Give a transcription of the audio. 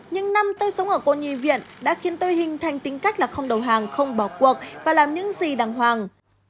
những năm tôi sống ở cô nhi viện đã khiến tôi hình thành tính cách là không đầu hàng không bỏ cuộc và làm những gì đàng hoàng